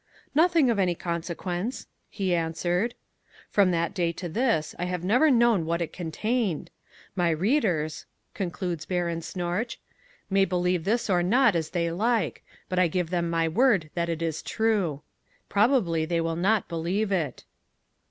'Nothing of any consequence,' he answered. From that day to this I have never known what it contained. My readers," concludes Baron Snorch, "may believe this or not as they like, but I give them my word that it is true. "Probably they will not believe it."